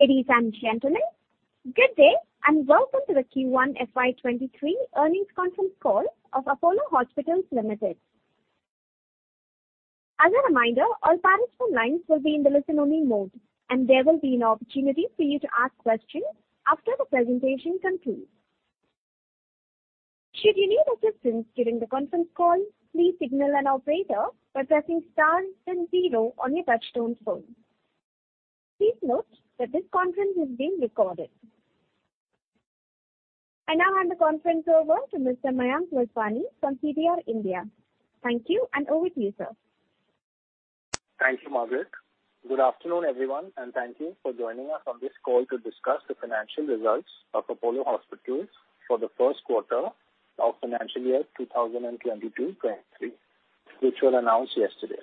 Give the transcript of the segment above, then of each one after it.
Ladies and gentlemen, good day, and welcome to the Q1 FY23 earnings conference call of Apollo Hospitals Limited. As a reminder, all participant lines will be in the listen-only mode, and there will be an opportunity for you to ask questions after the presentation concludes. Should you need assistance during the conference call, please signal an operator by pressing star then zero on your touchtone phone. Please note that this conference is being recorded. I now hand the conference over to Mr. Mayank Vaswani from CDR India. Thank you, and over to you, sir. Thank you, Margaret. Good afternoon, everyone, and thank you for joining us on this call to discuss the financial results of Apollo Hospitals for the first quarter of financial year 2022-2023, which were announced yesterday.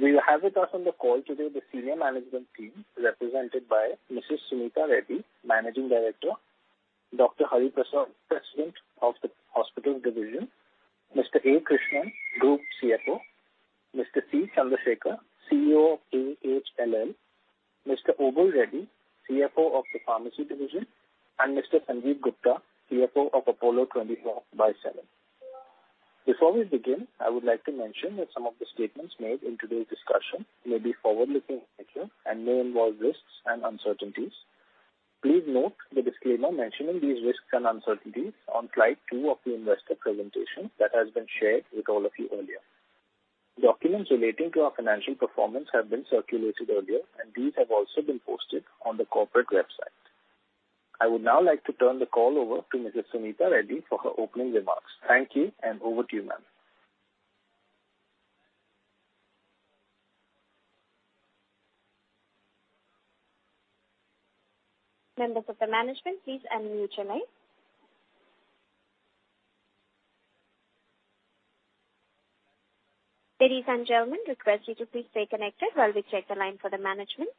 We have with us on the call today the senior management team represented by Mrs. Suneeta Reddy, Managing Director, Dr. Hari Prasad, President of the Hospitals Division, Mr. A. Krishnan, Group CFO, Mr. C. Chandra Sekhar, CEO of AHLL, Mr. Obul Reddy, CFO of the Pharmacy Division, and Mr. Sanjiv Gupta, CFO of Apollo 24/7. Before we begin, I would like to mention that some of the statements made in today's discussion may be forward-looking in nature and may involve risks and uncertainties. Please note the disclaimer mentioning these risks and uncertainties on slide two of the investor presentation that has been shared with all of you earlier. Documents relating to our financial performance have been circulated earlier, and these have also been posted on the corporate website. I would now like to turn the call over to Mrs. Suneeta Reddy for her opening remarks. Thank you, and over to you, ma'am. Members of the management, please unmute your lines. Ladies and gentlemen, request you to please stay connected while we check the line for the management.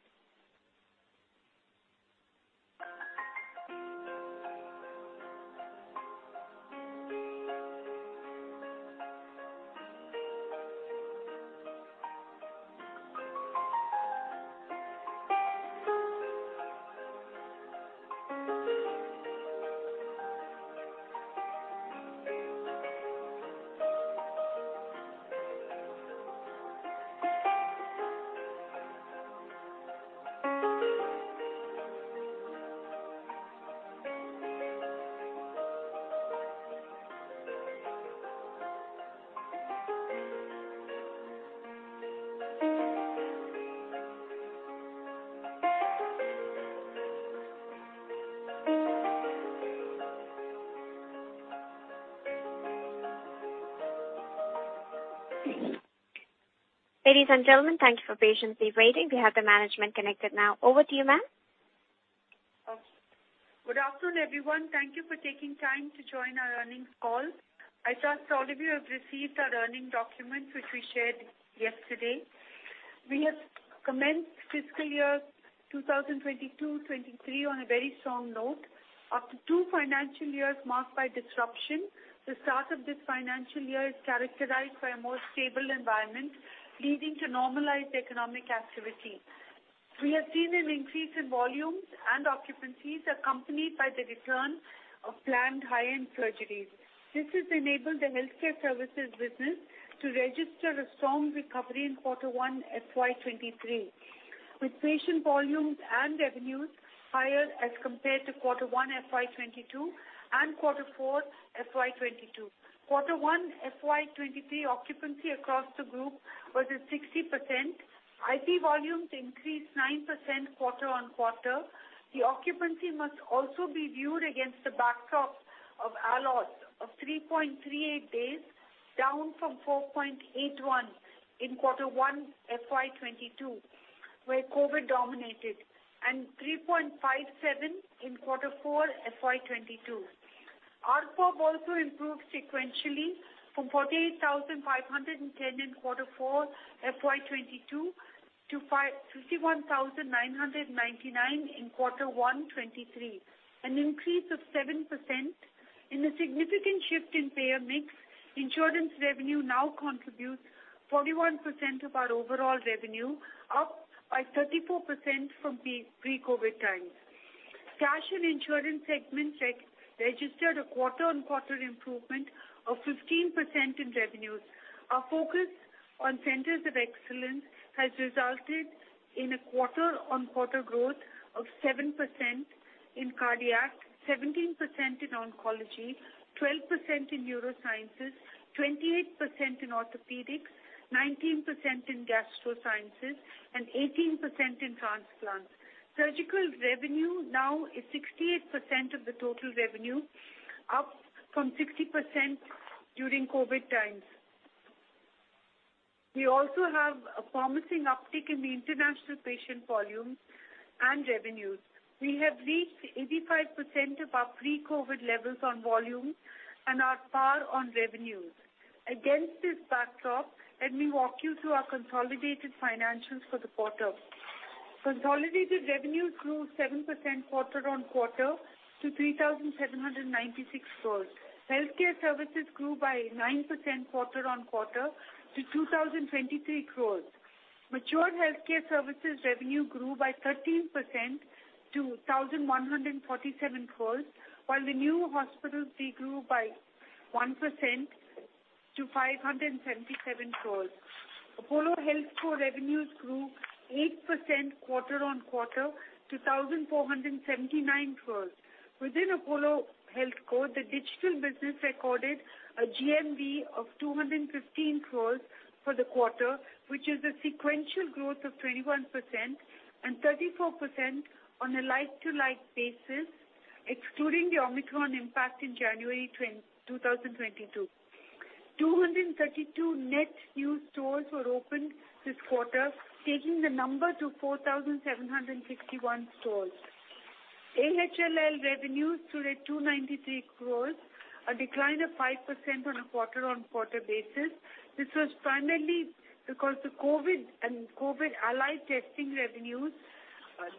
Ladies and gentlemen, thank you for patiently waiting. We have the management connected now. Over to you, ma'am. Good afternoon, everyone. Thank you for taking time to join our earnings call. I trust all of you have received our earnings documents which we shared yesterday. We have commenced fiscal year 2022-2023 on a very strong note. After two financial years marked by disruption, the start of this financial year is characterized by a more stable environment, leading to normalized economic activity. We have seen an increase in volumes and occupancies accompanied by the return of planned high-end surgeries. This has enabled the healthcare services business to register a strong recovery in quarter one FY 2023, with patient volumes and revenues higher as compared to quarter one FY 2022 and quarter four FY 2022. Quarter one FY 2023 occupancy across the group was at 60%. IP volumes increased 9% quarter-on-quarter. The occupancy must also be viewed against the backdrop of ALOS of 3.38 days, down from 4.81 in quarter 1 FY 2022, where COVID dominated, and 3.57 in quarter 4 FY 2022. ARPOB also improved sequentially from 48,510 in quarter 4 FY 2022 to 51,999 in quarter 1, 2023, an increase of 7%. In a significant shift in payer mix, insurance revenue now contributes 41% of our overall revenue, up by 34% from pre-COVID times. Cash and insurance segments registered a quarter-over-quarter improvement of 15% in revenues. Our focus on centers of excellence has resulted in a quarter-on-quarter growth of 7% in cardiac, 17% in oncology, 12% in neurosciences, 28% in orthopedics, 19% in gastro sciences, and 18% in transplants. Surgical revenue now is 68% of the total revenue, up from 60% during COVID times. We also have a promising uptick in the international patient volumes and revenues. We have reached 85% of our pre-COVID levels on volume and are at par on revenues. Against this backdrop, let me walk you through our consolidated financials for the quarter. Consolidated revenues 7% quarter-on-quarter to 3,796 crores. Healthcare services grew by 9% quarter-on-quarter to 2,023 crores. Mature healthcare services revenue grew by 13% to 1,147 crores, while the new hospitals grew by 1% to 577 crores. Apollo HealthCo revenues grew 8% quarter-on-quarter to 1,479 crores. Within Apollo HealthCo, the digital business recorded a GMV of 215 crores for the quarter, which is a sequential growth of 21% and 34% on a like-for-like basis, excluding the Omicron impact in January 2022. 232 net new stores were opened this quarter, taking the number to 4,761 stores. AHLL revenues stood at 293 crores, a decline of 5% on a quarter-on-quarter basis. This was primarily because the COVID and COVID allied testing revenues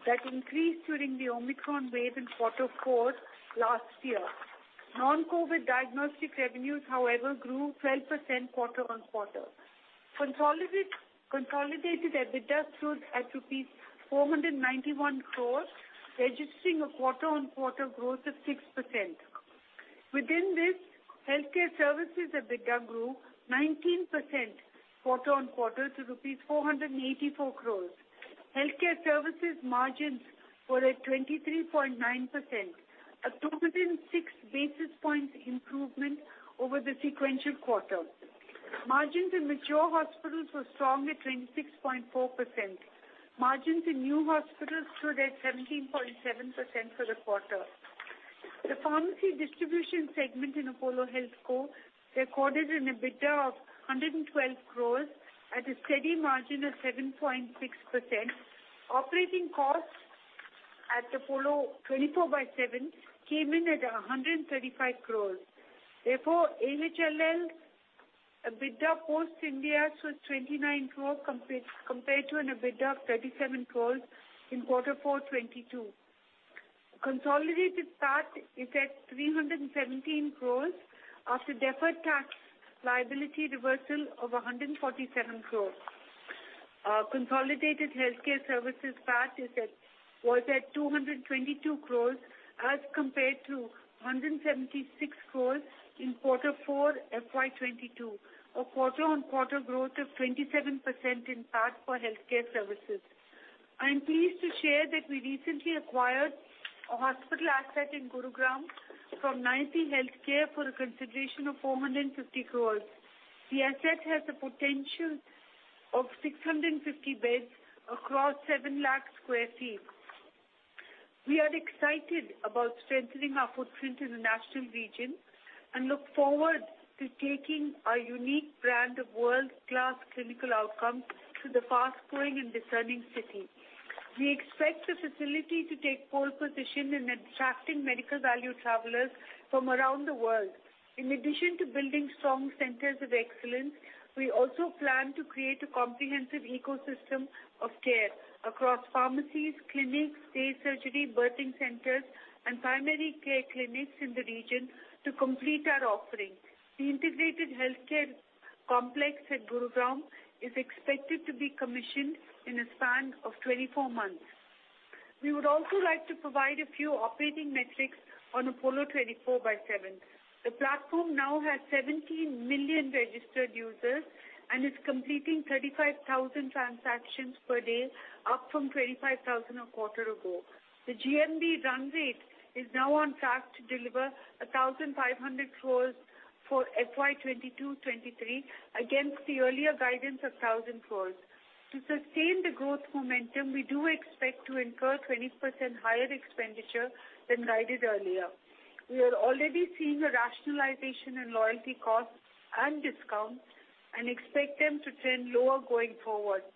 that increased during the Omicron wave in quarter four last year. Non-COVID diagnostic revenues, however, grew 12% quarter-on-quarter. Consolidated EBITDA stood at rupees 491 crore, registering a quarter-on-quarter growth of 6%. Within this, healthcare services EBITDA grew 19% quarter-on-quarter to rupees 484 crore. Healthcare services margins were at 23.9%, a 206 basis points improvement over the sequential quarter. Margins in mature hospitals were strong at 26.4%. Margins in new hospitals stood at 17.7% for the quarter. The pharmacy distribution segment in Apollo HealthCo recorded an EBITDA of 112 crore at a steady margin of 7.6%. Operating costs at Apollo 24/7 came in at 135 crores. Therefore, AHLL EBITDA post Ind AS was 29 crores compared to an EBITDA of 37 crores in quarter four 2022. Consolidated PAT is at 317 crores after deferred tax liability reversal of 147 crores. Consolidated healthcare services PAT was at 222 crores as compared to 176 crores in quarter four FY 2022, a quarter-over-quarter growth of 27% in PAT for healthcare services. I am pleased to share that we recently acquired a hospital asset in Gurugram Nayati Healthcare for a consideration of 450 crores. The asset has the potential of 650 beds across 700,000 sq ft. We are excited about strengthening our footprint in the National Capital Region and look forward to taking our unique brand of world-class clinical outcomes to the fast-growing and discerning city. We expect the facility to take pole position in attracting medical value travelers from around the world. In addition to building strong centers of excellence, we also plan to create a comprehensive ecosystem of care across pharmacies, clinics, day surgery, birthing centers, and primary care clinics in the region to complete our offering. The integrated healthcare complex at Gurugram is expected to be commissioned in a span of 24 months. We would also like to provide a few operating metrics on Apollo 24/7. The platform now has 17 million registered users and is completing 35,000 transactions per day, up from 25,000 a quarter ago. The GMV run rate is now on track to deliver 1,500 crores for FY 2022-23 against the earlier guidance of 1,000 crores. To sustain the growth momentum, we do expect to incur 20% higher expenditure than guided earlier. We are already seeing a rationalization in loyalty costs and discounts and expect them to trend lower going forward.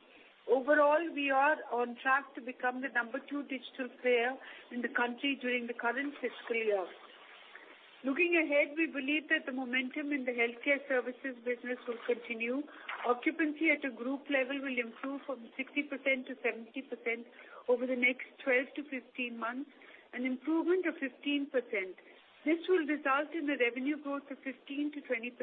Overall, we are on track to become the number two digital player in the country during the current fiscal year. Looking ahead, we believe that the momentum in the healthcare services business will continue. Occupancy at a group level will improve from 60% to 70% over the next 12-15 months, an improvement of 15%. This will result in a revenue growth of 15%-20%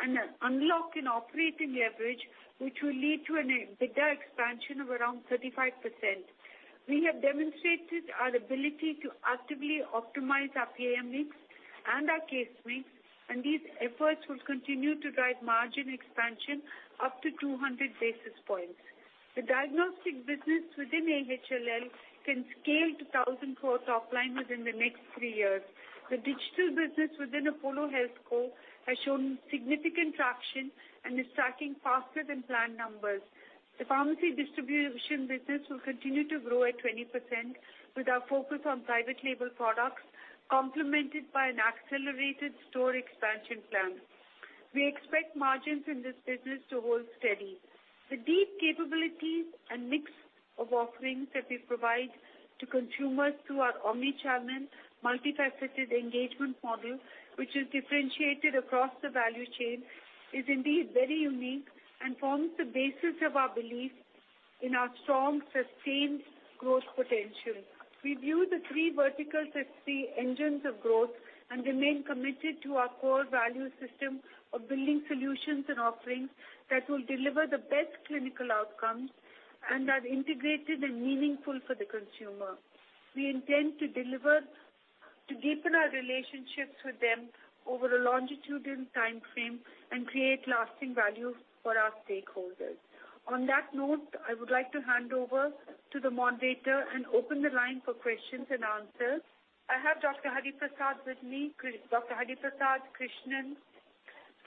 and unlock an operating leverage which will lead to an EBITDA expansion of around 35%. We have demonstrated our ability to actively optimize our payor mix and our case mix, and these efforts will continue to drive margin expansion up to 200 basis points. The diagnostic business within AHLL can scale to 1,000 crore top line within the next three years. The digital business within Apollo HealthCo has shown significant traction and is tracking faster than planned numbers. The pharmacy distribution business will continue to grow at 20% with our focus on private label products, complemented by an accelerated store expansion plan. We expect margins in this business to hold steady. The deep capabilities and mix of offerings that we provide to consumers through our omni-channel, multifaceted engagement model, which is differentiated across the value chain, is indeed very unique and forms the basis of our belief in our strong sustained growth potential. We view the three verticals as engines of growth and remain committed to our core value system of building solutions and offerings that will deliver the best clinical outcomes and are integrated and meaningful for the consumer. We intend to deepen our relationships with them over a longitudinal timeframe and create lasting value for our stakeholders. On that note, I would like to hand over to the moderator and open the line for questions and answers. I have Dr. Hari Prasad with me, Krishnan,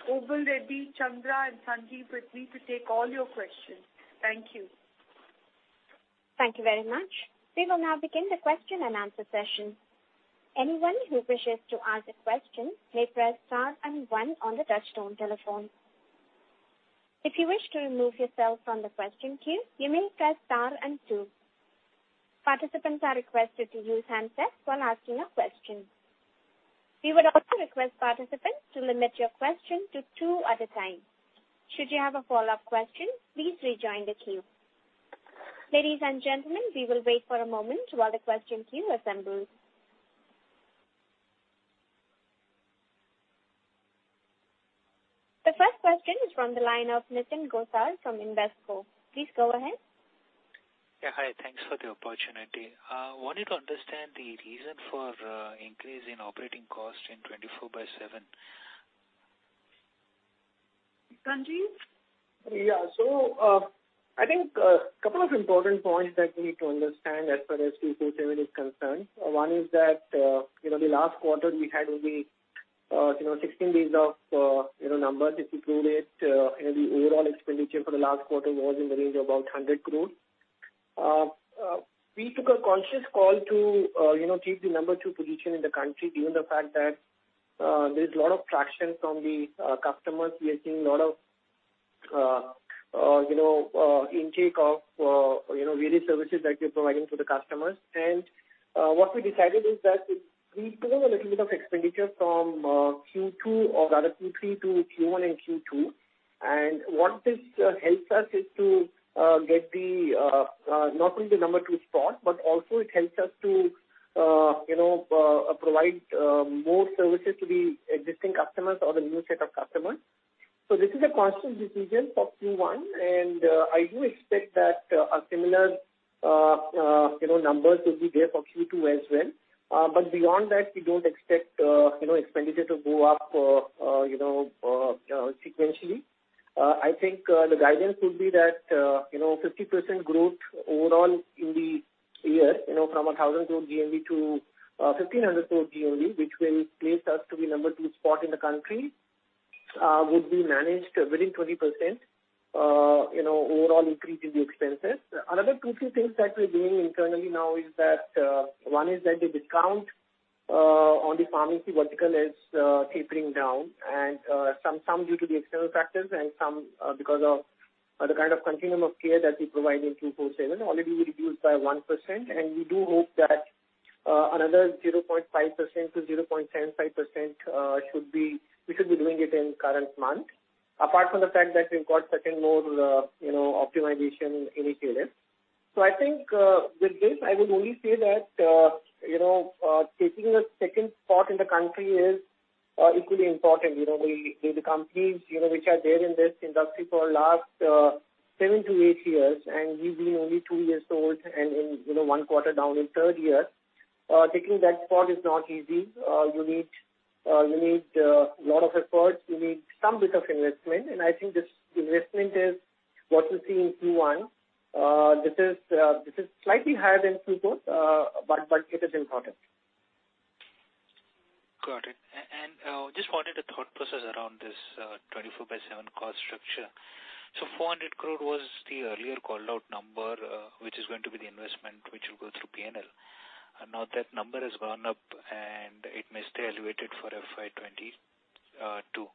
Obul Reddy, Chandra, and Sanjiv with me to take all your questions. Thank you. Thank you very much. We will now begin the question-and-answer session. Anyone who wishes to ask a question may press star and one on the touchtone telephone. If you wish to remove yourself from the question queue, you may press star and two. Participants are requested to use handsets while asking a question. We would also request participants to limit your question to two at a time. Should you have a follow-up question, please rejoin the queue. Ladies and gentlemen, we will wait for a moment while the question queue assembles. The first question is from the line of Nitin Gosar from Invesco. Please go ahead. Yeah, hi. Thanks for the opportunity. Wanted to understand the reason for the increase in operating cost in Apollo 24/7. Sanjiv? I think couple of important points that we need to understand as far as 24/7 is concerned. One is that you know, the last quarter we had only you know, 16 days of you know, numbers. If you pull it you know, the overall expenditure for the last quarter was in the range of about 100 crore. We took a conscious call to you know, keep the number two position in the country given the fact that there's a lot of traction from the customers. We are seeing a lot of you know, intake of you know, various services that we're providing to the customers. What we decided is that we pull a little bit of expenditure from Q2 or rather Q3 to Q1 and Q2. What this helps us is to get not only the number two spot, but also it helps us to you know provide more services to the existing customers or the new set of customers. This is a conscious decision for Q1, and I do expect that a similar you know numbers will be there for Q2 as well. Beyond that, we don't expect you know expenditure to go up you know sequentially. I think, the guidance would be that, you know, 50% growth overall in the year, you know, from 1,000 crore GMV to 1,500 crore GMV, which will place us to be number two spot in the country, would be managed within 20%, you know, overall increase in the expenses. Another two, three things that we're doing internally now is that, one is that the discount on the pharmacy vertical is tapering down. Some due to the external factors and some because of the kind of continuum of care that we provide in Apollo 24/7 already reduced by 1%. We do hope that another 0.5% to 0.75%, we should be doing it in current month. Apart from the fact that we've got certain more, you know, optimization initiatives. I think, with this, I would only say that, you know, taking a second spot in the country is equally important. You know, we the companies, you know, which are there in this industry for last seven to eight years, and we've been only two years old and in, you know, one quarter down in third year. Taking that spot is not easy. You need lot of efforts. You need some bit of investment. I think this investment is what you see in Q1. This is slightly higher than Q4, but it is important. Got it. Just wanted a thought process around this 24/7 cost structure. 400 crore was the earlier called out number, which is going to be the investment which will go through PNL. Now that number has gone up, and it may stay elevated for FY 2022-23.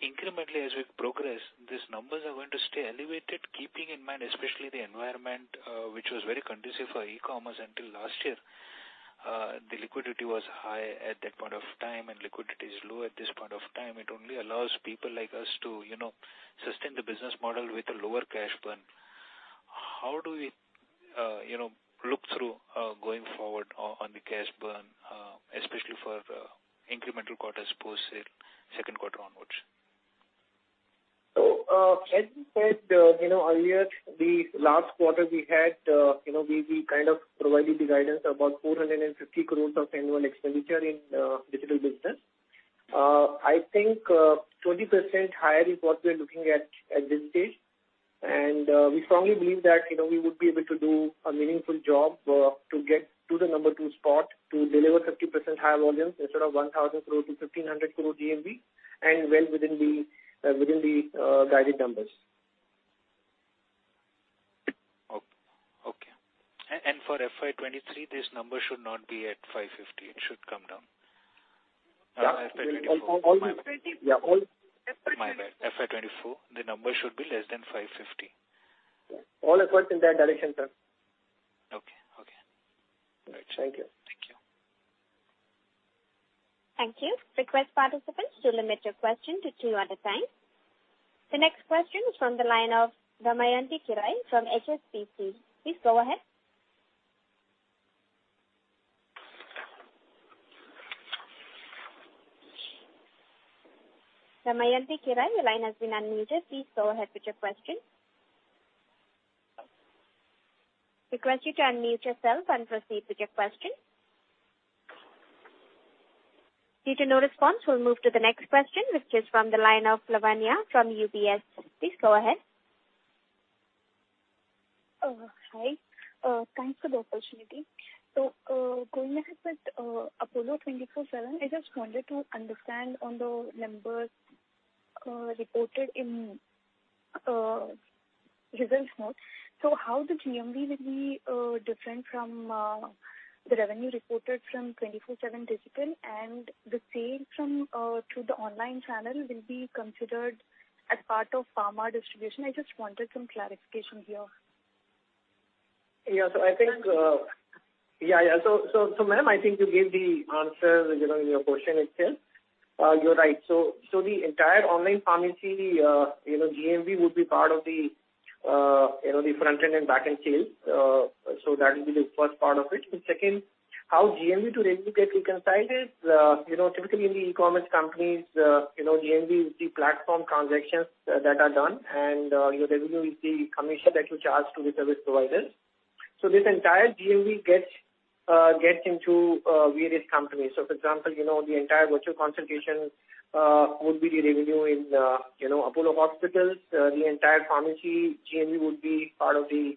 Incrementally as we progress, these numbers are going to stay elevated, keeping in mind especially the environment, which was very conducive for e-commerce until last year. The liquidity was high at that point of time, and liquidity is low at this point of time. It only allows people like us to, you know, sustain the business model with a lower cash burn. How do we, you know, look through going forward on the cash burn, especially for incremental quarters post second quarter onwards? As we said, you know, earlier, the last quarter we had, you know, we kind of provided the guidance about 450 crore of annual expenditure in digital business. I think, 20% higher is what we're looking at this stage. We strongly believe that, you know, we would be able to do a meaningful job, to get to the number two spot to deliver 50% higher volumes instead of 1,000 crore-1,500 crore GMV and well within the guided numbers. Okay. For FY 2023, this number should not be at 550. It should come down. Yeah. FY 2024. All the- My bad. Yeah. My bad. FY 2024, the number should be less than 550? All efforts in that direction, sir. Okay. All right. Thank you. Thank you. Request participants to limit your question to two at a time. The next question is from the line of Damayanti Kerai from HSBC. Please go ahead. Damayanti Kerai, your line has been unmuted. Please go ahead with your question. Request you to unmute yourself and proceed with your question. Due to no response, we'll move to the next question, which is from the line of Lavanya from UBS. Please go ahead. Hi. Thanks for the opportunity. Going ahead with Apollo 24/7, I just wanted to understand on the numbers reported in results mode. How the GMV will be different from the revenue reported from 24/7 digital, and the sale from through the online channel will be considered as part of pharma distribution? I just wanted some clarification here. I think you gave the answer, you know, in your question itself. You're right. The entire online pharmacy, you know, GMV would be part of the, you know, the front-end and back-end sales. That will be the first part of it. The second, how GMV to revenue get reconciled is, you know, typically in the e-commerce companies, you know, GMV is the platform transactions that are done, and your revenue is the commission that you charge to the service providers. This entire GMV gets into various companies. For example, you know, the entire virtual consultation would be the revenue in, you know, Apollo Hospitals. The entire pharmacy GMV would be part of the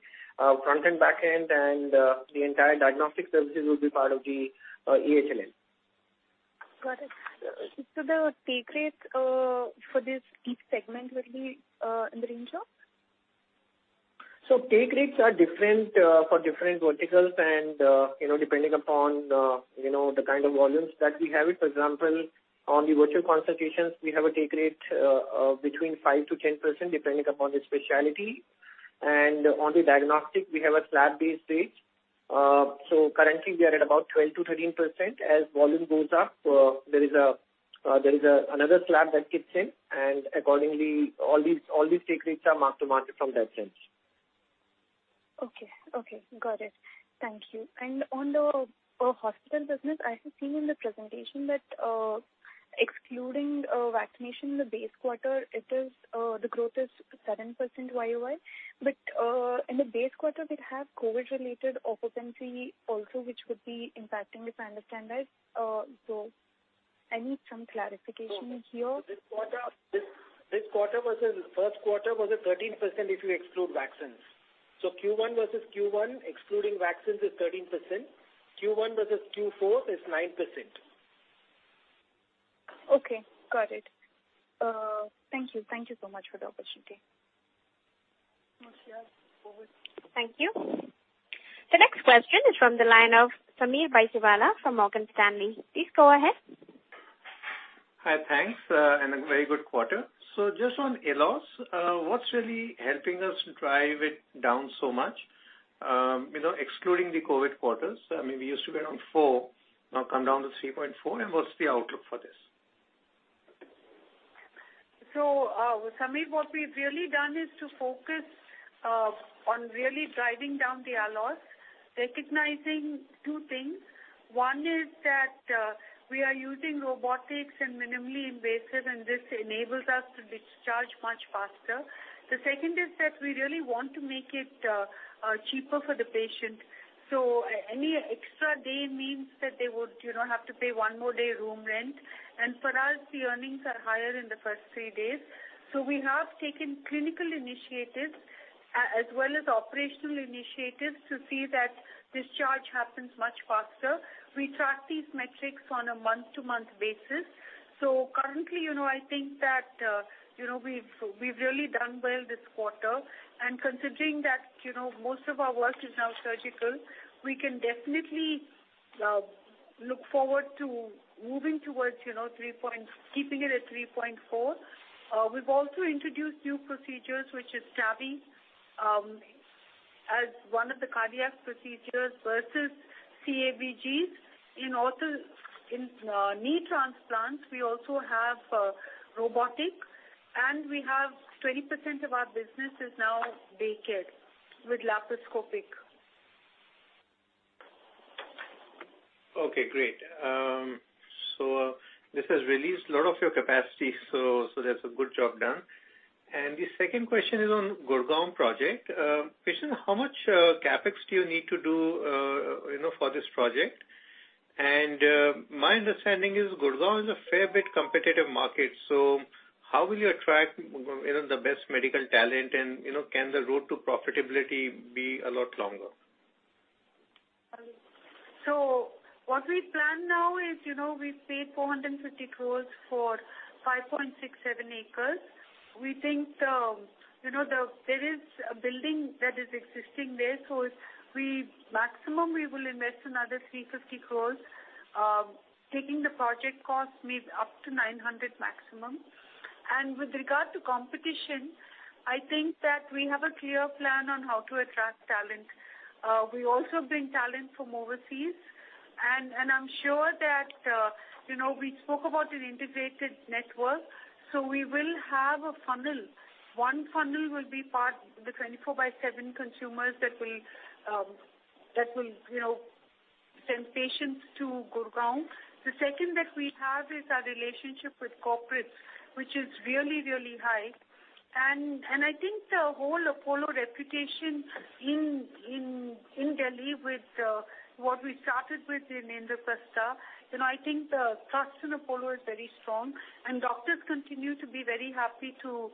front-end, back-end, and the entire diagnostic services would be part of the AHLL. Got it. The take rate for this each segment will be in the range of? Take rates are different for different verticals and, you know, depending upon the kind of volumes that we have it. For example, on the virtual consultations, we have a take rate between 5%-10%, depending upon the specialty. On the diagnostic, we have a slab-based rate. Currently, we are at about 12%-13%. As volume goes up, there is another slab that kicks in, and accordingly, all these take rates are mark to market from that sense. Okay. Got it. Thank you. On the hospital business, I have seen in the presentation that, excluding vaccination in the base quarter, the growth is 7% YOY. In the base quarter, they'd have COVID-related occupancy also, which would be impacting, if I understand right. I need some clarification here. This quarter versus first quarter was at 13% if you exclude vaccines. Q1 versus Q1, excluding vaccines is 13%. Q1 versus Q4 is 9%. Okay. Got it. Thank you. Thank you so much for the opportunity. Thank you. The next question is from the line of Sameer Baisiwala from Morgan Stanley. Please go ahead. Hi. Thanks, and a very good quarter. Just on ALOS, what's really helping us drive it down so much? You know, excluding the COVID quarters. I mean, we used to be around four, now come down to three point four, and what's the outlook for this? Sameer, what we've really done is to focus on really driving down the ALOS, recognizing two things. One is that we are using robotics and minimally invasive, and this enables us to discharge much faster. The second is that we really want to make it cheaper for the patient. Any extra day means that they would, you know, have to pay one more day room rent. For us, the earnings are higher in the first three days. We have taken clinical initiatives as well as operational initiatives to see that discharge happens much faster. We track these metrics on a month-to-month basis. Currently, you know, I think that, you know, we've really done well this quarter. Considering that, you know, most of our work is now surgical, we can definitely look forward to keeping it at three point four. We've also introduced new procedures, which is TAVI as one of the cardiac procedures versus CABG. Also, in knee transplants, we also have robotics, and we have 20% of our business is now day-care with laparoscopic. Okay, great. So this has released a lot of your capacity, so that's a good job done. The second question is on Gurugram project. Krishnan how much CapEx do you need to do, you know, for this project? My understanding is Gurugram is a fair bit competitive market, so how will you attract, you know, the best medical talent and, you know, can the road to profitability be a lot longer? What we plan now is, you know, we paid 450 crores for 5.67 acres. We think, you know, there is a building that is existing there, so maximum we will invest another 350 crores. Taking the project cost up to 900 crore maximum. With regard to competition, I think that we have a clear plan on how to attract talent. We also bring talent from overseas. I'm sure that, you know, we spoke about an integrated network, so we will have a funnel. One funnel will be part the 24/7 consumers that will, you know, send patients to Gurugram. The second that we have is our relationship with corporates, which is really, really high. I think the whole Apollo reputation in Delhi with what we started with in Indraprastha, you know, I think the trust in Apollo is very strong, and doctors continue to be very happy to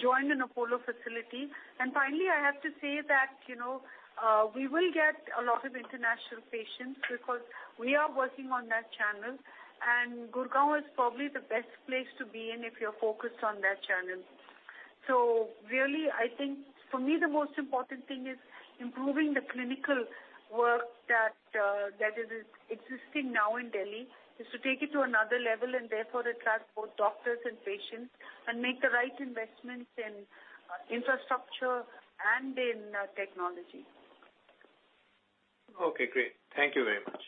join an Apollo facility. Finally, I have to say that, you know, we will get a lot of international patients because we are working on that channel, and Gurgaon is probably the best place to be in if you're focused on that channel. Really, I think for me, the most important thing is improving the clinical work that is existing now in Delhi, is to take it to another level and therefore attract both doctors and patients and make the right investments in infrastructure and in technology. Okay, great. Thank you very much.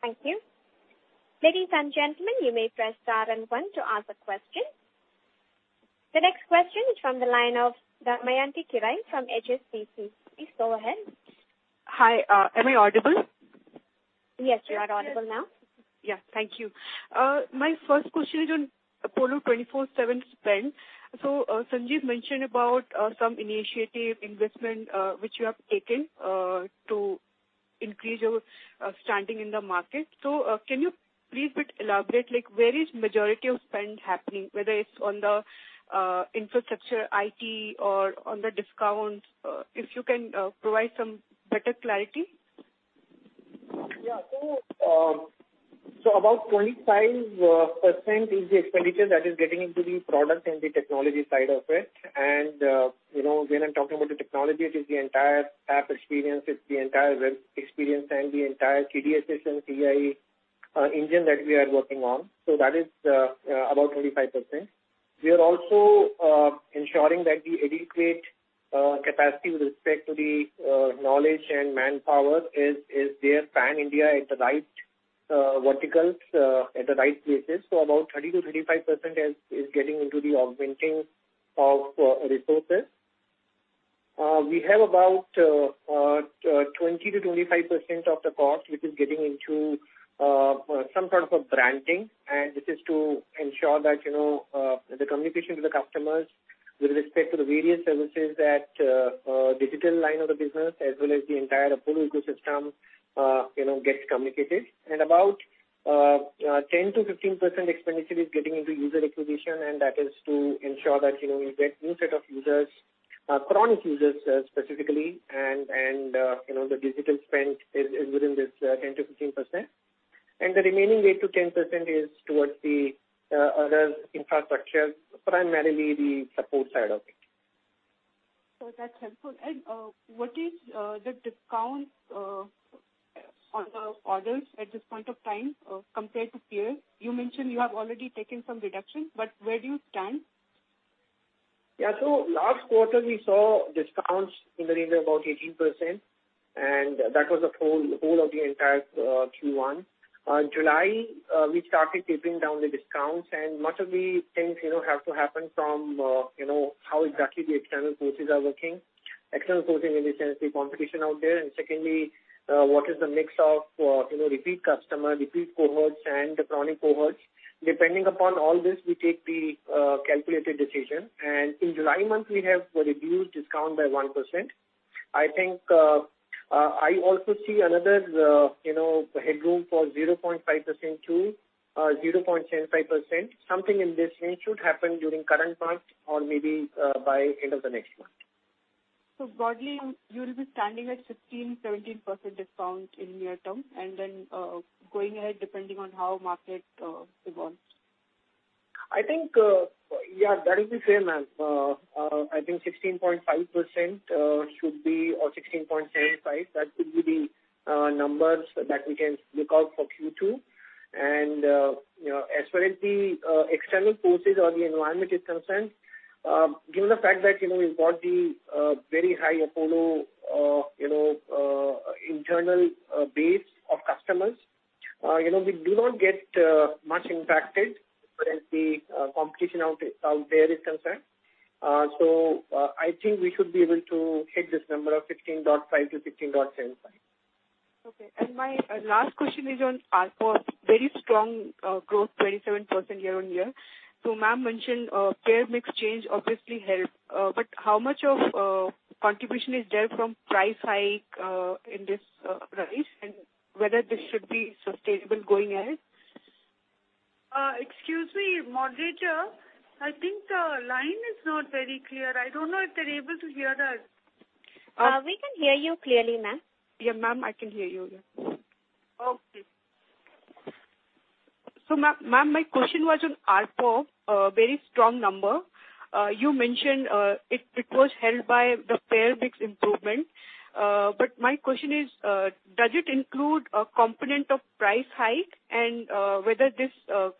Thank you. Ladies and gentlemen, you may press star and one to ask a question. The next question is from the line of Damayanti Kerai from HSBC. Please go ahead. Hi. Am I audible? Yes, you are audible now. Yes. Thank you. My first question is on Apollo 24/7 spend. Sanjiv mentioned about some initial investment which you have taken to increase your standing in the market. Can you please elaborate a bit, like where is majority of spend happening, whether it's on the infrastructure, IT or on the discounts? If you can provide some better clarity. Yeah. About 25% is the expenditure that is getting into the product and the technology side of it. You know, when I'm talking about the technology, it is the entire app experience, it's the entire web experience and the entire CDSS, CIE engine that we are working on. That is about 25%. We are also ensuring that the adequate capacity with respect to the knowledge and manpower is there pan-India at the right verticals at the right places. About 30%-35% is getting into the augmenting of resources. We have about 20%-25% of the cost, which is getting into some sort of a branding. This is to ensure that, you know, the communication to the customers with respect to the various services that, digital line of the business, as well as the entire Apollo ecosystem, you know, gets communicated. About ten to fifteen percent expenditure is getting into user acquisition, and that is to ensure that, you know, we get new set of users, chronic users, specifically, and, you know, the digital spend is within this, 10%-15%. The remaining 8%-10% is towards the other infrastructure, primarily the support side of it. That's helpful. What is the discount on the orders at this point of time compared to peers? You mentioned you have already taken some reduction, but where do you stand? Yeah. Last quarter we saw discounts in the range of about 18%, and that was the whole of the entire Q1. July, we started tapering down the discounts and much of the things, you know, have to happen from, you know, how exactly the external forces are working. External forces in the sense the competition out there. Secondly, what is the mix of, you know, repeat customer, repeat cohorts and the chronic cohorts. Depending upon all this, we take the calculated decision. In July month we have reduced discount by 1%. I think, I also see another, you know, headroom for 0.5%-0.75%. Something in this range should happen during current month or maybe, by end of the next month. Broadly, you will be standing at 16%-17% discount in near term, and then going ahead depending on how market evolves. I think, yeah, that is the same, ma'am. I think 16.5%, or 16.75%, that should be the numbers that we can look out for Q2. You know, as far as the external forces or the environment is concerned, given the fact that, you know, we've got the very high Apollo internal base of customers, you know, we do not get much impacted as the competition out there is concerned. So, I think we should be able to hit this number of 16.5%-16.75%. My last question is on ARPOB. Very strong growth, 27% year-on-year. Ma'am mentioned payer mix change obviously helped, but how much of contribution is there from price hike in this rise, and whether this should be sustainable going ahead? Excuse me, moderator. I think the line is not very clear. I don't know if they're able to hear us. We can hear you clearly, ma'am. Yeah, ma'am, I can hear you. Yeah. Okay. Ma'am, my question was on ARPOB, very strong number. You mentioned, it was helped by the payer mix improvement. My question is, does it include a component of price hike and whether this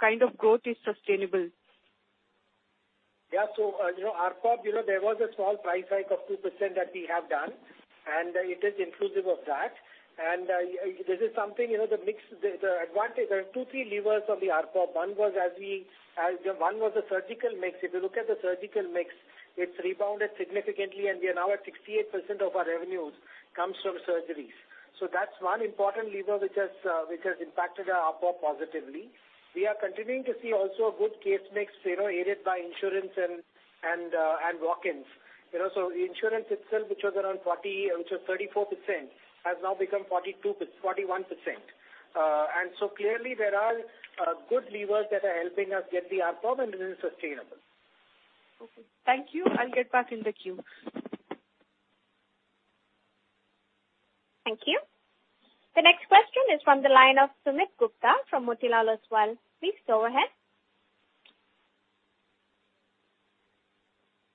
kind of growth is sustainable? Yeah. You know, ARPOB, you know, there was a small price hike of 2% that we have done, and it is inclusive of that. This is something, you know, the mix, the advantage. There are two, three levers on the ARPOB. One was the surgical mix. If you look at the surgical mix, it's rebounded significantly, and we are now at 68% of our revenues comes from surgeries. That's one important lever which has impacted our ARPOB positively. We are continuing to see also a good case mix, you know, aided by insurance and walk-ins. You know, insurance itself, which was around four0, which was 34%, has now become 42, 41%. Clearly there are good levers that are helping us get the ARPOB and it is sustainable. Okay. Thank you. I'll get back in the queue. Thank you. The next question is from the line of Sumit Gupta from Motilal Oswal. Please go ahead.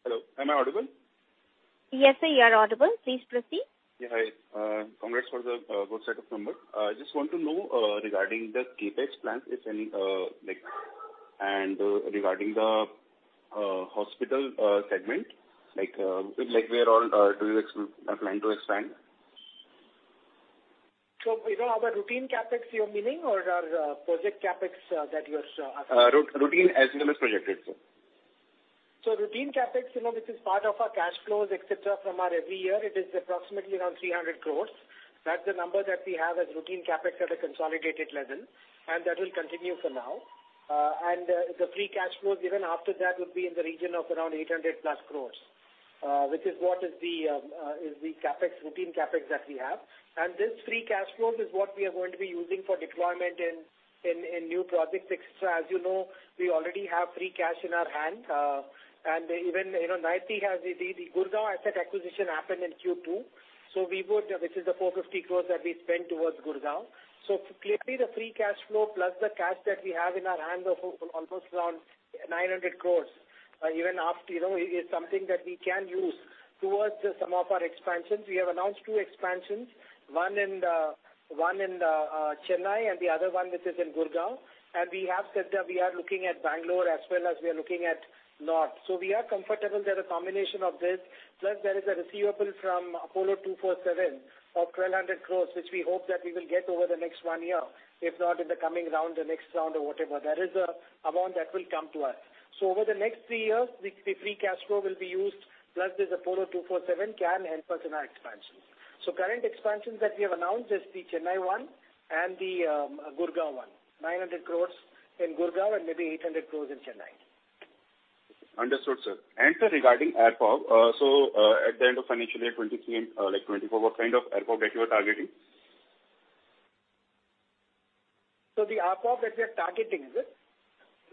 Hello, am I audible? Yes, sir, you are audible. Please proceed. Yeah, hi. Congrats for the good set of numbers. I just want to know regarding the CapEx plan if any, like, and regarding the hospital segment, like where all do you plan to expand? You know, our routine CapEx you're meaning or our project CapEx that you're asking? Routine as well as projected, sir. Routine CapEx, you know, this is part of our cash flows, et cetera, from our every year. It is approximately around 300 crores. That's the number that we have as routine CapEx at a consolidated level, and that will continue for now. The free cash flows even after that would be in the region of around 800+ crores, which is what is the CapEx, routine CapEx that we have. This free cash flows is what we are going to be using for deployment in new projects, et cetera. As you know, we already have free cash in our hand, and even, you know, the Gurugram asset acquisition happened in Q2, which is the 450 crores that we spent towards Gurugram. Clearly the free cash flow plus the cash that we have in our hand of almost around 900 crore, even after, you know, is something that we can use towards some of our expansions. We have announced two expansions, one in Chennai and the other one which is in Gurugram. We have said that we are looking at Bangalore as well as we are looking at north. We are comfortable there's a combination of this, plus there is a receivable from Apollo 24/7 of 1,200 crore, which we hope that we will get over the next one year, if not in the coming round, the next round or whatever. That is the amount that will come to us. Over the next three years, the free cash flow will be used, plus this Apollo 24/7 can help us in our expansions. Current expansions that we have announced is the Chennai one and the Gurugram one. 900 crore in Gurugram and maybe 800 crore in Chennai. Understood, sir. Sir, regarding ARPOB, at the end of financial year 2023 and, like, 2024, what kind of ARPOB that you are targeting? The ARPOB that we are targeting, is it?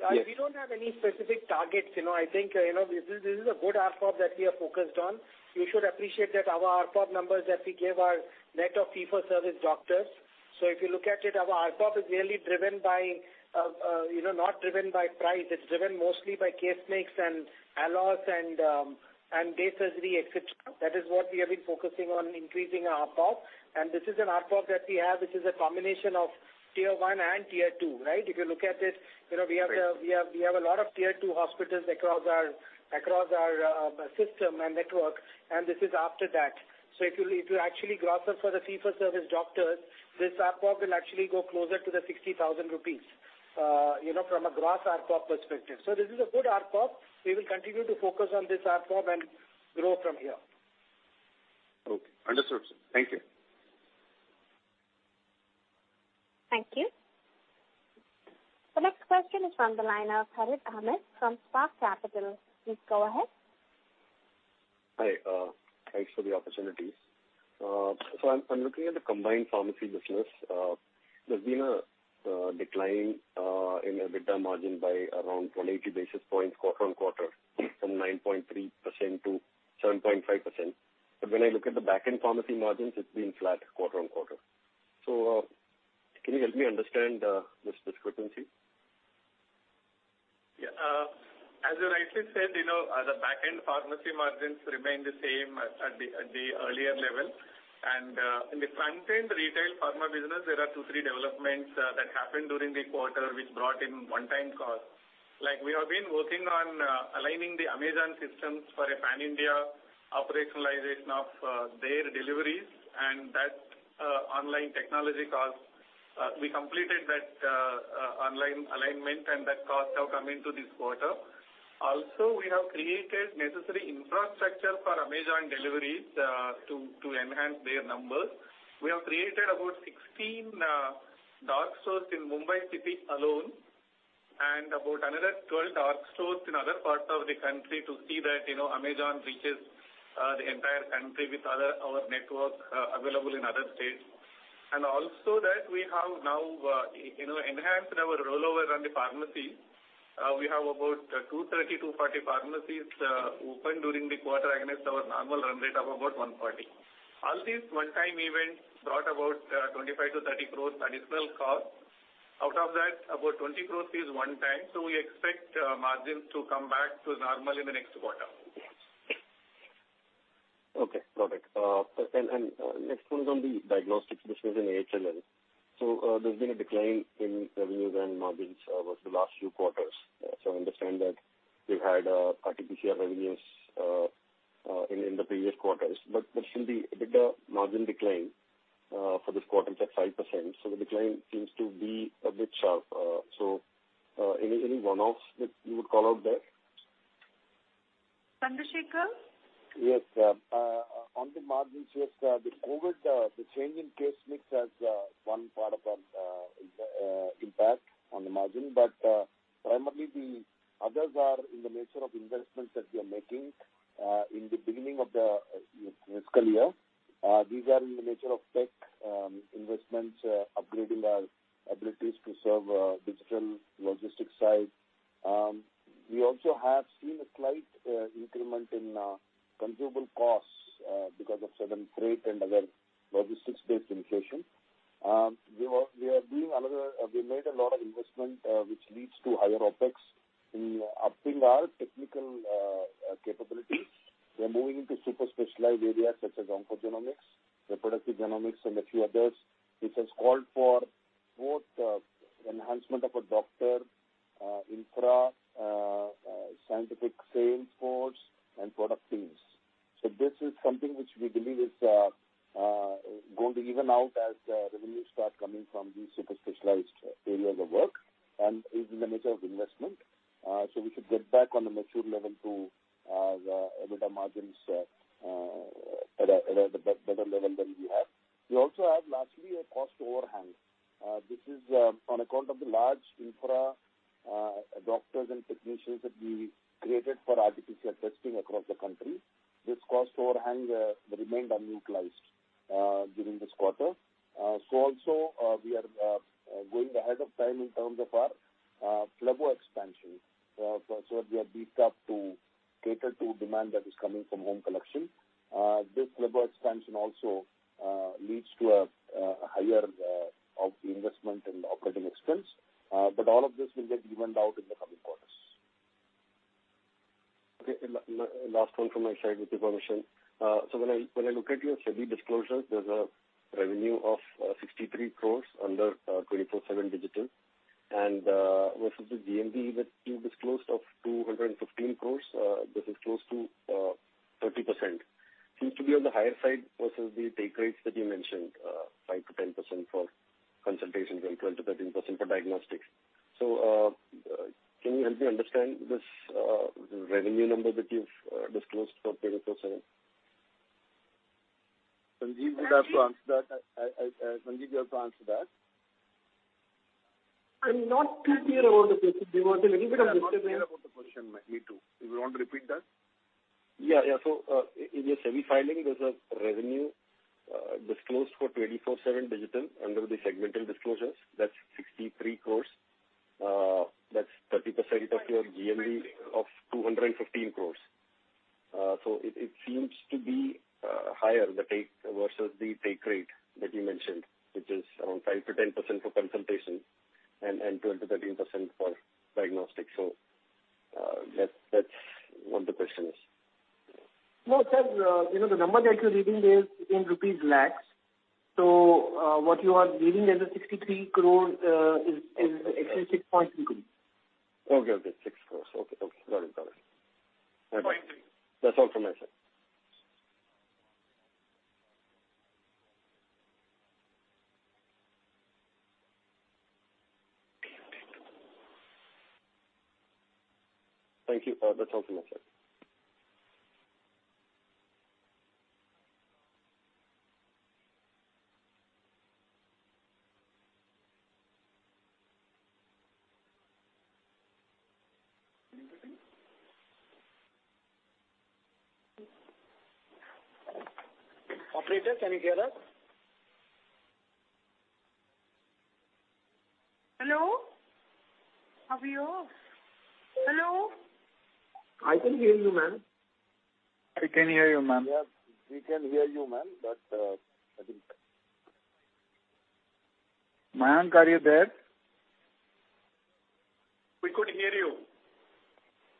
Yes. We don't have any specific targets, you know. I think, you know, this is a good ARPOB that we are focused on. You should appreciate that our ARPOB numbers that we give are net of fee-for-service doctors. So if you look at it, our ARPOB is really driven by, you know, not driven by price. It's driven mostly by case mix and ALOS and day surgery, et cetera. That is what we have been focusing on increasing our ARPOB. This is an ARPOB that we have, which is a combination of tier one and tier two, right? If you look at it, you know, we have the- Right. We have a lot of tier two hospitals across our system and network, and this is after that. If you actually gross up for the fee-for-service doctors, this ARPOB will actually go closer to 60,000 rupees, you know, from a gross ARPOB perspective. This is a good ARPOB. We will continue to focus on this ARPOB and grow from here. Okay. Understood, sir. Thank you. Thank you. The next question is from the line of Harith Ahamed from Spark Capital. Please go ahead. Hi. Thanks for the opportunity. I'm looking at the combined pharmacy business. There's been a decline in EBITDA margin by around 180 basis points quarter-on-quarter, from 9.3% to 7.5%. When I look at the back-end pharmacy margins, it's been flat quarter-on-quarter. Can you help me understand this discrepancy? Yeah. As you rightly said, you know, the back-end pharmacy margins remain the same at the earlier level. In the front-end retail pharma business, there are two to three developments that happened during the quarter which brought in one-time cost. Like, we have been working on aligning the Amazon systems for a pan-India operationalization of their deliveries and that online technology cost. We completed that online alignment and that cost have come into this quarter. Also, we have created necessary infrastructure for Amazon deliveries to enhance their numbers. We have created about 16 dark stores in Mumbai city alone, and about another 12 dark stores in other parts of the country to see that, you know, Amazon reaches the entire country with our network available in other states. That we have now, you know, enhanced our rollover on the pharmacy. We have about 230-240 pharmacies open during the quarter against our normal run rate of about 140. All these one-time events brought about 25-30 crore additional cost. Out of that, about 20 crore is one time. We expect margins to come back to normal in the next quarter. Okay. Got it. Next one's on the diagnostics business in AHLL. There's been a decline in revenues and margins over the last few quarters. I understand that they had RT-PCR revenues in the previous quarters. There's been a bigger margin decline for this quarter. It's at 5%, so the decline seems to be a bit sharp. Any one-offs that you would call out there? Chandra Sekhar? Yes. On the margins, yes, the COVID, the change in case mix has one part of our impact on the margin. Primarily the others are in the nature of investments that we are making in the beginning of the fiscal year. These are in the nature of tech investments, upgrading our abilities to serve digital logistics side. We also have seen a slight increment in consumable costs because of certain freight and other logistics-based inflation. We made a lot of investment, which leads to higher OpEx in upping our technical capabilities. We are moving into super specialized areas such as oncogenomics, reproductive genomics, and a few others. This has called for both, enhancement of a doctor, infra, scientific sales force and product teams. This is something which we believe is going to even out as revenues start coming from these super specialized areas of work and is in the nature of investment. We should get back on a mature level to the EBITDA margins at a better level than we have. We also have lastly a cost overhang. This is on account of the large infra, doctors and technicians that we created for RT-PCR testing across the country. This cost overhang remained unutilized during this quarter. We are also going ahead of time in terms of our Phlebo expansion. We are beefed up to cater to demand that is coming from home collection. This Phlebo expansion also leads to a higher level of investment and operating expense. All of this will get evened out in the coming quarters. Okay. Last one from my side, with your permission. When I look at your SEBI disclosures, there's a revenue of 63 crore under 24/7 digital. Versus the GMV that you've disclosed of 215 crore, this is close to 30%. Seems to be on the higher side versus the take rates that you mentioned, 5%-10% for consultations and 12%-13% for diagnostics. Can you help me understand this revenue number that you've disclosed for 24/7? Sanjiv would have to answer that. Sanjiv, you have to answer that. I'm not too clear about the question. There was a little bit of disturbance. I'm not clear about the question. Me too. You want to repeat that? Yeah, yeah. In your SEBI filing, there's a revenue disclosed for 24/7 digital under the segmental disclosures. That's actually 6.3 crores. Okay, okay. INR 6 crore. Okay, okay. Got it, got it. Point three. That's all from my side. Thank you. That's all from my side. Anything? Operator, can you hear us? Hello? Are we off? Hello? I can hear you, ma'am. I can hear you, ma'am. Yes, we can hear you, ma'am, but I think. Mayank, are you there? We could hear you.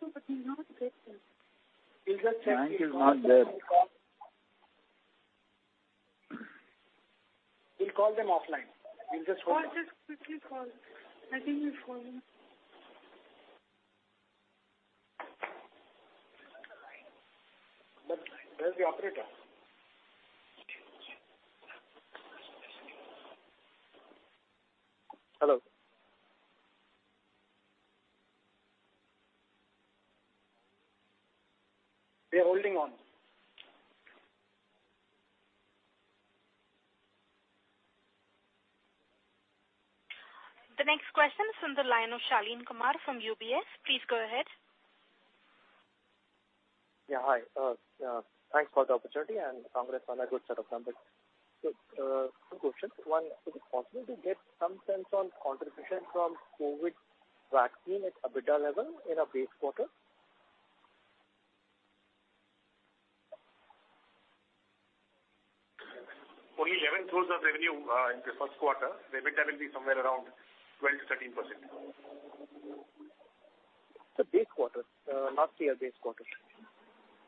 No, he's not there, sir. We'll just check. Mayank is not there. We'll call them offline. We'll just call them. Just quickly call. I think he's calling. Where is the operator? Hello. We are holding on. The next question is from the line of Shaleen Kumar from UBS. Please go ahead. Yeah. Hi. Thanks for the opportunity and congrats on a good set of numbers. Two questions. One, is it possible to get some sense on contribution from COVID vaccine at EBITDA level in a base quarter? Only 11 crores of revenue in the first quarter. The EBITDA will be somewhere around 12%-13%.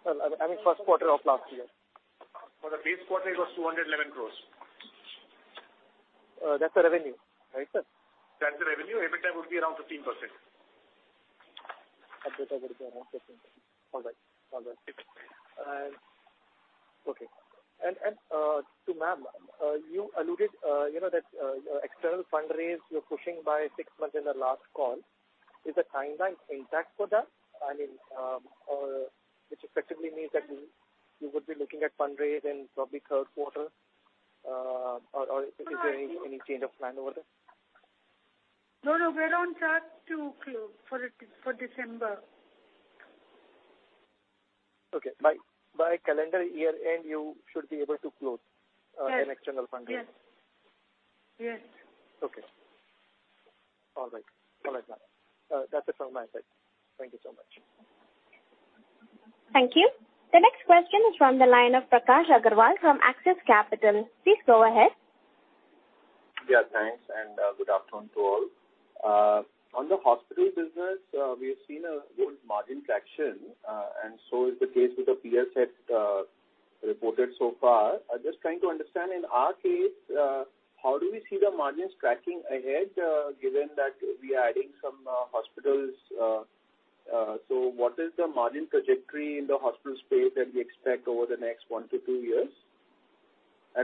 Well, I mean, first quarter of last year. For the base quarter it was 211 crore. That's the revenue, right, sir? That's the revenue. EBITDA would be around 15%. EBITDA would be around 15%. All right. All right. Yes. Okay. To ma'am, you alluded, you know, that your external fundraise you're pushing by six months in the last call. Is the timeline intact for that? I mean, or which effectively means that you would be looking at fundraise in probably third quarter, or is there any change of plan over there? No, no, we're on track to close for December. Okay. By calendar year end, you should be able to close. Yes. an external fundraise. Yes. Yes. Okay. All right. All right, ma'am. That's it from my side. Thank you so much. Thank you. The next question is from the line of Prakash Agarwal from Axis Capital. Please go ahead. Yeah, thanks, good afternoon to all. On the hospital business, we have seen a good margin traction, and so is the case with the peers that reported so far. I'm just trying to understand, in our case, how do we see the margins tracking ahead, given that we are adding some hospitals. What is the margin trajectory in the hospital space that we expect over the next 1-two years?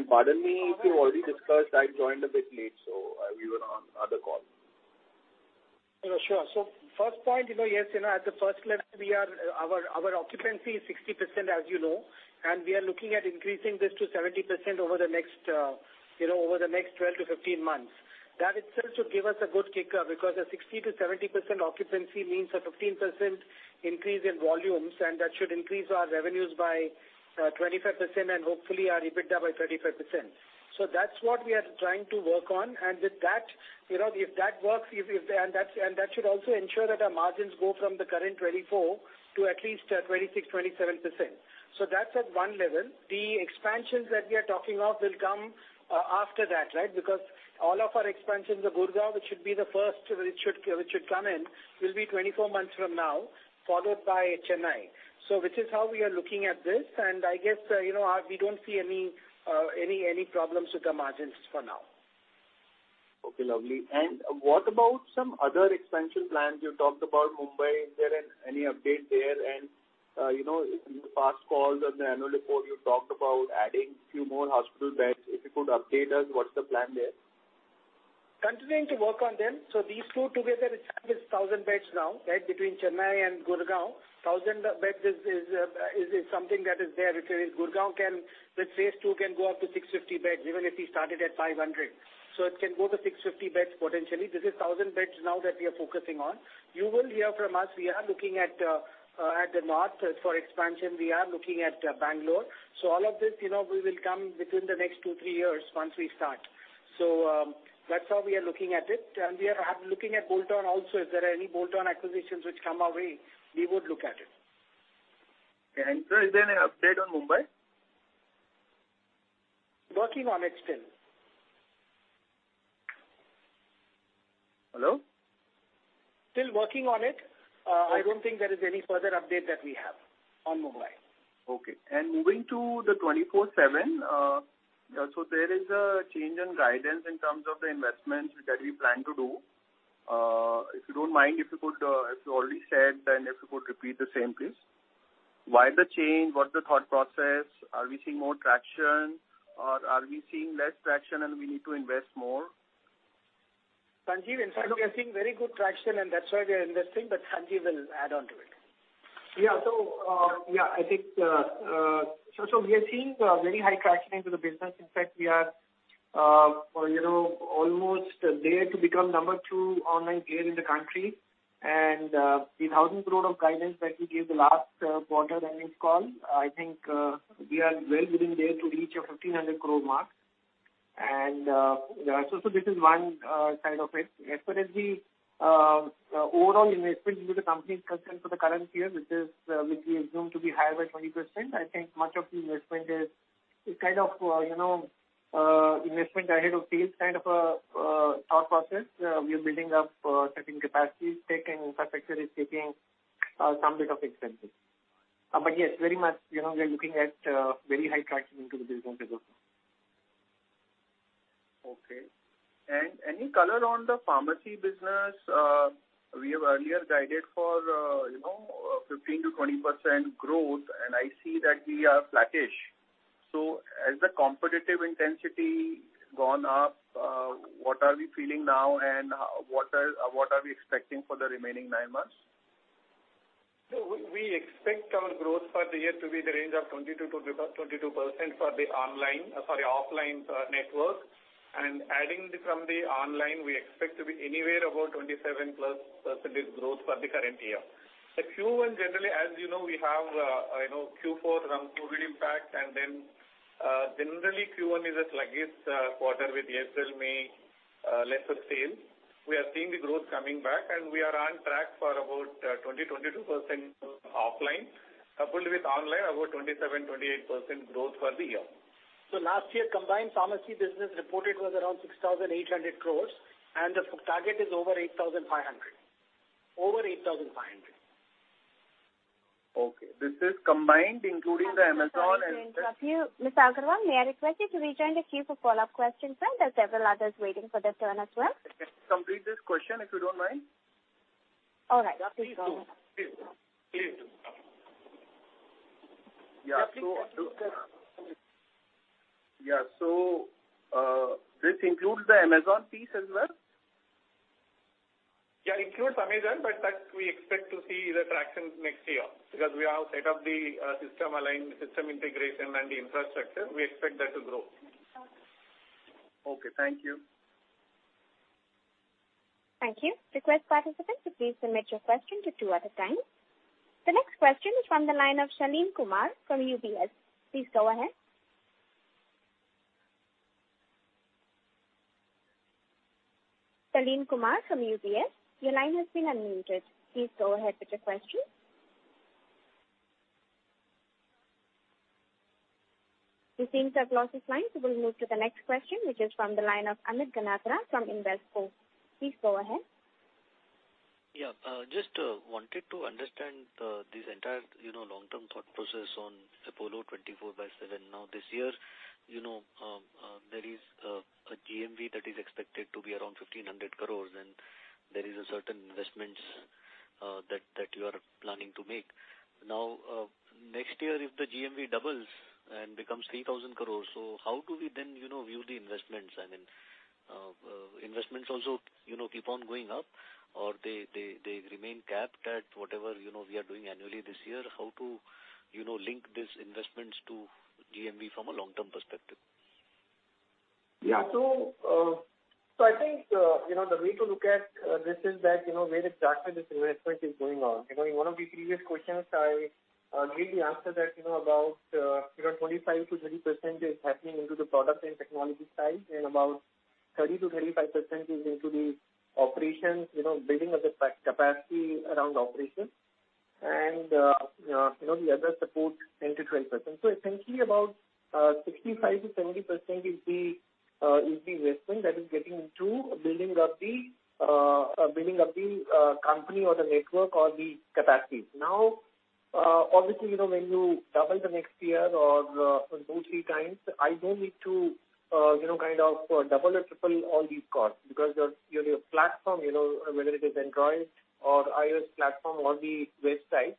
Pardon me if you already discussed. I joined a bit late, so we were on other call. Yeah, sure. First point, you know, yes, you know, at the first level our occupancy is 60%, as you know, and we are looking at increasing this to 70% over the next twelve to fifteen months. That itself should give us a good kicker because a 60%-70% occupancy means a 15% increase in volumes, and that should increase our revenues by 25% and hopefully our EBITDA by 35%. That's what we are trying to work on. With that, you know, if that works, that should also ensure that our margins go from the current 24% to at least 26%-27%. That's at one level. The expansions that we are talking of will come after that, right? Because all of our expansions, the Gurugram, which should be the first, which should come in, will be 24 months from now, followed by Chennai. Which is how we are looking at this. I guess, you know, we don't see any problems with the margins for now. Okay, lovely. What about some other expansion plans? You talked about Mumbai. Is there any update there? You know, in the past calls, on the annual report, you talked about adding few more hospital beds. If you could update us, what's the plan there? Continuing to work on them. These two together we started with 1,000 beds now, right? Between Chennai and Gurugram. 1,000 beds is something that is there. If Gurugram can, with phase two, go up to 650 beds, even if we started at 500. It can go to 650 beds potentially. This is 1,000 beds now that we are focusing on. You will hear from us. We are looking at the north for expansion. We are looking at Bengaluru. All of this, you know, will come within the next two, three years once we start. That's how we are looking at it. We are looking at bolt-on also. If there are any bolt-on acquisitions which come our way, we would look at it. Sir, is there any update on Mumbai? Working on it still. Hello? Still working on it. I don't think there is any further update that we have on Mumbai. Okay. Moving to the 24/7, there is a change in guidance in terms of the investments that we plan to do. If you don't mind, if you already said, then if you could repeat the same, please. Why the change? What's the thought process? Are we seeing more traction or are we seeing less traction and we need to invest more? Sanjiv, in fact, we are seeing very good traction and that's why we are investing, but Sanjiv will add on to it. I think we are seeing very high traction into the business. In fact, we are, you know, almost there to become number two online player in the country. The 1,000 crore guidance that we gave the last quarter earnings call, I think we are well within there to reach a 1,500 crore mark. This is one side of it. As far as the overall investment into the company is concerned for the current year, which we assume to be higher by 20%, I think much of the investment is kind of, you know, investment ahead of sales kind of thought process. We are building up certain capacities. Tech and infrastructure is taking some bit of expenses. Yes, very much, you know, we are looking at very high traction into the business as of now. Okay. Any color on the pharmacy business? We have earlier guided for 15%-20% growth, and I see that we are flattish. Has the competitive intensity gone up? What are we feeling now, and what are we expecting for the remaining nine months? We expect our growth for the year to be the range of 22%-22% for the offline network. Adding from the online, we expect to be anywhere about 27%+ growth for the current year. Q1 generally, as you know, we have you know Q4 around COVID impact, and then generally Q1 is a sluggish quarter with ESL May Lesser sales. We are seeing the growth coming back, and we are on track for about 22% offline. Coupled with online, about 27%-28% growth for the year. Last year, combined pharmacy business reported was around 6,800 crore, and the FY target is over 8,500 crore. Okay. This is combined including the Amazon and. Sorry to interrupt you. Mr. Agarwal, may I request you to rejoin the queue for follow-up questions then? There are several others waiting for their turn as well. Can I complete this question, if you don't mind? All right. Please do. Yeah, this includes the Amazon piece as well? Yeah, includes Amazon, but that we expect to see the traction next year. Because we have set up the system integration and the infrastructure. We expect that to grow. Okay. Thank you. Thank you. Request participants to please submit your question to two at a time. The next question is from the line of Shaleen Kumar from UBS. Please go ahead. Shaleen Kumar from UBS, your line has been unmuted. Please go ahead with your question. It seems to have lost his line, so we'll move to the next question, which is from the line of Amit Ganatra from Invesco. Please go ahead. Yeah. Just wanted to understand this entire, you know, long-term thought process on Apollo 24/7. Now, this year, you know, there is a GMV that is expected to be around 1,500 crores and there is a certain investments that you are planning to make. Now, next year if the GMV doubles and becomes 3,000 crores, how do we then, you know, view the investments? I mean, investments also, you know, keep on going up or they remain capped at whatever, you know, we are doing annually this year. How to, you know, link these investments to GMV from a long-term perspective. Yeah. I think you know the way to look at this is that you know where exactly this investment is going on. You know in one of the previous questions I gave the answer that you know about 25%-30% is happening into the product and technology side. About 30%-35% is into the operations you know building of the capacity around operations. You know the other support 10%-12%. Essentially about 65%-70% is the investment that is getting into building up the company or the network or the capacities. Now, obviously, you know, when you double the next year or two, three times, I don't need to, you know, kind of double or triple all these costs because your platform, you know, whether it is Android or iOS platform or the website,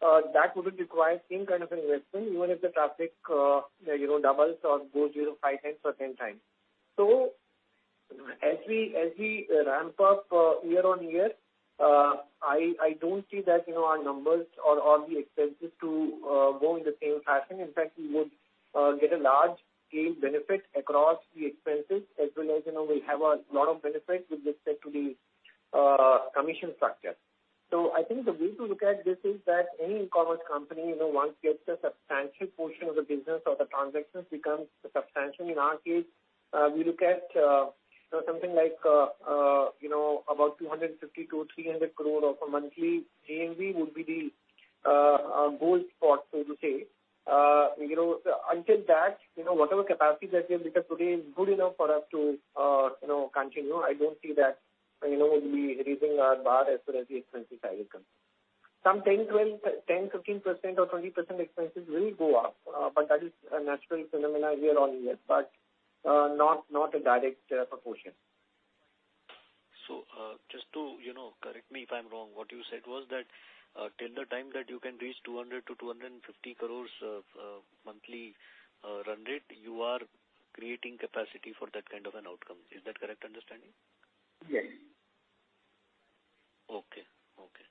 that wouldn't require same kind of investment, even if the traffic, you know, doubles or goes, you know, five times or 10 times. As we ramp up year on year, I don't see that, you know, our numbers or the expenses to go in the same fashion. In fact, we would get a large scale benefit across the expenses, as well as, you know, we have a lot of benefits with respect to the commission structure. I think the way to look at this is that any commerce company, you know, once gets a substantial portion of the business or the transactions becomes substantial. In our case, we look at, you know, something like, you know, about 250 crore-300 crore of a monthly GMV would be the gold spot, so to say. You know, until that, you know, whatever capacity that we have built up today is good enough for us to, you know, continue. I don't see that, you know, we'll be raising our bar as far as the expenses side is concerned. Some 10%, 12%, 10% 15% or 20% expenses will go up, but that is a natural phenomena year-on-year, but not a direct proportion. Just to, you know, correct me if I'm wrong, what you said was that, till the time that you can reach 200-250 crores of monthly run rate, you are creating capacity for that kind of an outcome. Is that correct understanding? Yes. Okay.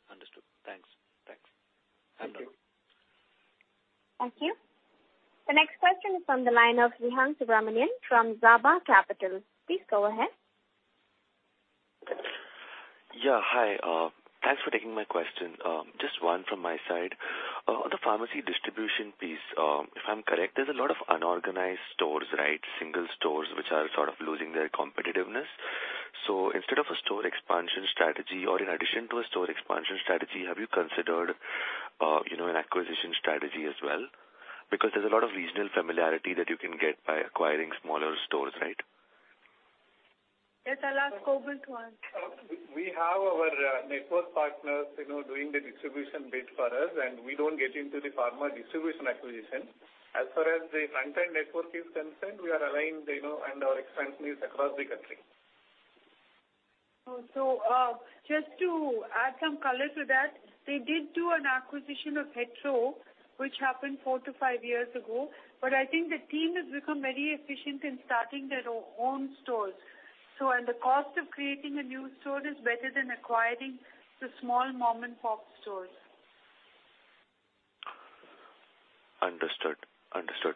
Understood. Thanks. Thank you. Thank you. The next question is from the line of Vihang Subramanian from Raba Capital. Please go ahead. Yeah, hi. Thanks for taking my question. Just one from my side. The pharmacy distribution piece, if I'm correct, there's a lot of unorganized stores, right? Single stores, which are sort of losing their competitiveness. Instead of a store expansion strategy or in addition to a store expansion strategy, have you considered, you know, an acquisition strategy as well? Because there's a lot of regional familiarity that you can get by acquiring smaller stores, right? Yes. I will ask Obul to answer. We have our network partners, you know, doing the distribution bit for us, and we don't get into the pharma distribution acquisition. As far as the front-end network is concerned, we are aligned, you know, and our expansion is across the country. Just to add some color to that, they did do an acquisition of Hetero, which happened four to five years ago. I think the team has become very efficient in starting their own stores. The cost of creating a new store is better than acquiring the small mom-and-pop stores. Understood. Sure.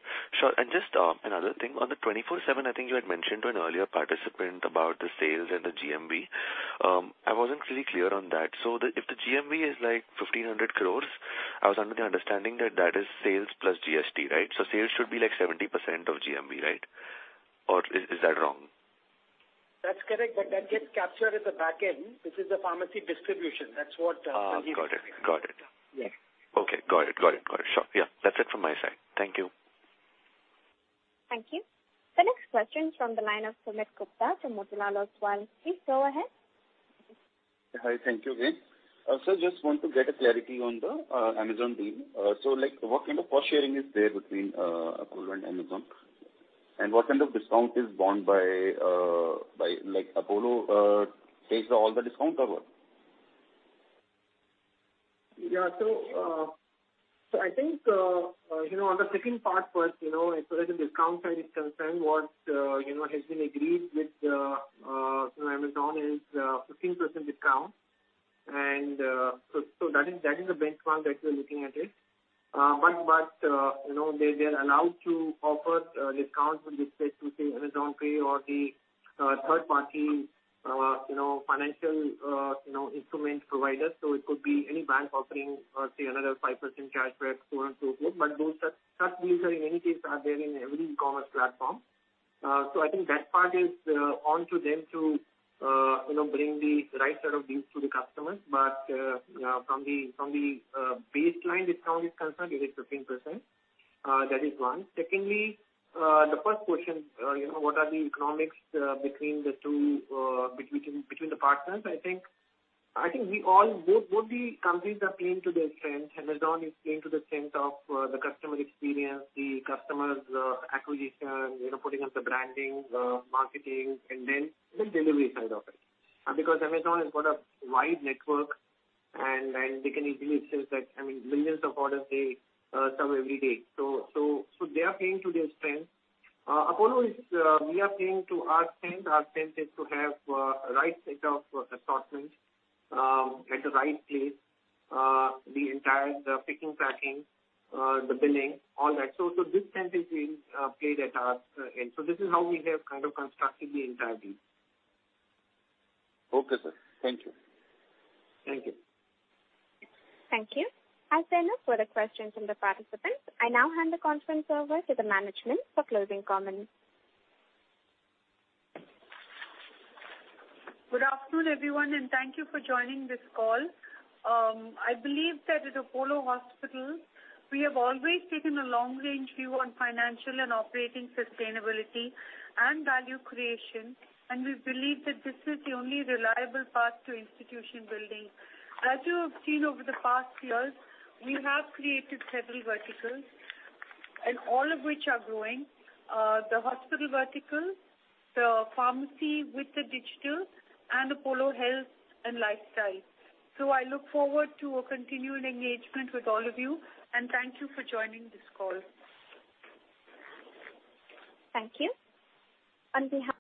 Just another thing. On the Apollo 24/7, I think you had mentioned to an earlier participant about the sales and the GMV. I wasn't really clear on that. If the GMV is like 1,500 crores, I was under the understanding that that is sales plus GST, right? Sales should be like 70% of GMV, right? Is that wrong? That's correct. That gets captured at the back end. This is the pharmacy distribution. That's what. Got it. Yeah. Okay. Got it. Sure. Yeah. That's it from my side. Thank you. Thank you. The next question from the line of Sumit Gupta from Motilal Oswal. Please go ahead. Hi. Thank you again. Sir, just want to get a clarity on the Amazon deal. So, like, what kind of cost sharing is there between Apollo and Amazon? What kind of discount is borne by like Apollo takes all the discounts or what? Yeah. I think you know on the second part first, you know, as far as the discount side is concerned, what you know has been agreed with you know Amazon is 15% discount. That is the benchmark that we are looking at it. But you know they are allowed to offer discounts with respect to, say, Amazon Pay or the third party you know financial you know instrument providers. It could be any bank offering say another 5% cashback so on and so forth. But those are such deals are in any case there in every commerce platform. I think that part is up to them to you know bring the right set of deals to the customers. As far as the baseline discount is concerned, it is 15%. That is one. Secondly, the first question, you know, what are the economics between the two between the partners? I think both the companies are playing to their strength. Amazon is playing to the strength of the customer experience, the customer acquisition, you know, putting up the branding, marketing, and then the delivery side of it. Because Amazon has got a wide network and they can easily sell that. I mean, millions of orders they sell every day. So they are playing to their strength. Apollo is, we are playing to our strength. Our strength is to have right set of assortment at the right place, the entire picking, packing, the billing, all that. This strength is being played at our end. This is how we have kind of constructed the entire deal. Okay, sir. Thank you. Thank you. Thank you. As there are no further questions from the participants, I now hand the conference over to the management for closing comments. Good afternoon, everyone, and thank you for joining this call. I believe that at Apollo Hospitals we have always taken a long range view on financial and operating sustainability and value creation, and we believe that this is the only reliable path to institution building. As you have seen over the past years, we have created several verticals and all of which are growing, the hospital vertical, the pharmacy with the digital and Apollo Health and Lifestyle. I look forward to a continual engagement with all of you and thank you for joining this call. Thank you.